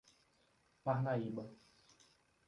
Parnaíba